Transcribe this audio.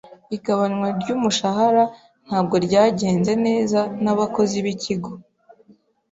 Igabanywa ry'umushahara ntabwo ryagenze neza n'abakozi b'ikigo.